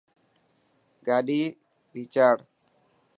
گاڏي ڀيچاڙ.